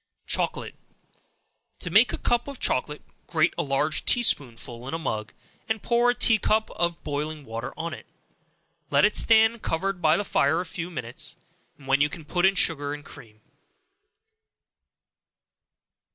Chocolate. To make a cup of chocolate, grate a large tea spoonful in a mug, and pour a tea cup of boiling water on it; let it stand covered by the fire a few minutes, when you can put in sugar and cream.